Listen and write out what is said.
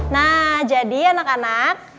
nah jadi anak anak